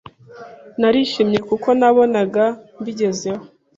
narishimye kuko nabonaga mbigezeho